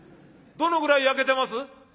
どのぐらい焼けてます？」。